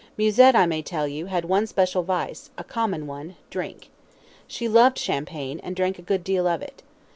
Musette, I may tell you, had one special vice, a common one drink. She loved champagne, and drank a good deal of it.